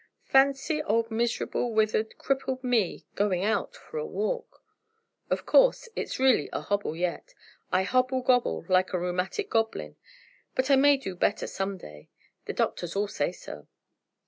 Fancy old miserable, withered, crippled me going out for a walk! Of course, it's really a hobble yet I hobble gobble like a rheumatic goblin; but I may do better some day. The doctors all say so.